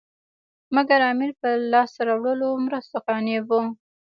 مګر امیر په لاسته راوړو مرستو قانع وو.